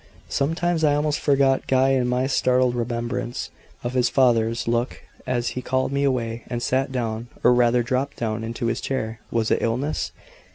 Sometimes I almost forgot Guy in my startled remembrance of his father's look as he called me away, and sat down or rather dropped down into his chair. Was it illness?